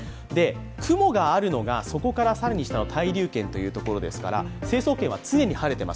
雲があるのがそこから更に下の対流圏ですから、成層圏は常に晴れています